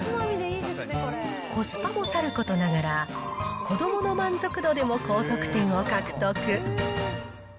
コスパもさることながら、子どもの満足度でも高得点を獲得。